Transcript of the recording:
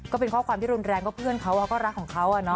ก็เป็นข้อความที่รุนแรงก็เพื่อนเขาก็รักของเขา